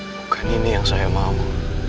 bukan ini yang saya mau